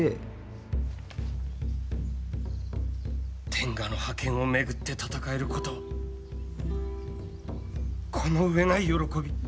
天下の覇権を巡って戦えること、この上ない喜び。